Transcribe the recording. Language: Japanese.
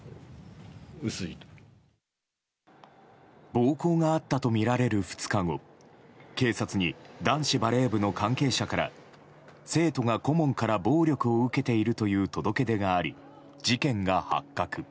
暴行があったとみられる２日後警察に男子バレー部の関係者から生徒が顧問から暴力を受けているという届け出があり事件が発覚。